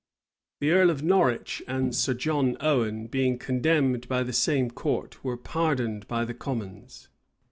The earl of Norwich and Sir John Owen, being condemned by the same court, were pardoned by the commons.